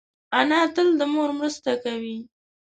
انا تل د مور مرسته کوي